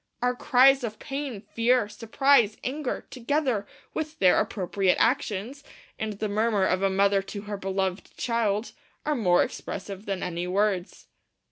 'Our cries of pain, fear, surprise, anger, together with their appropriate actions, and the murmur of a mother to her beloved child, are more expressive than any words.'